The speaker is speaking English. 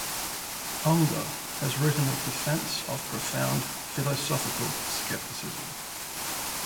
Unger has written a defense of profound philosophical skepticism.